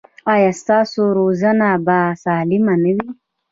ایا ستاسو روزنه به سالمه نه وي؟